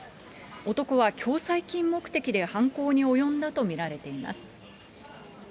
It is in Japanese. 男は共済金目的で犯行に及んだと見られています。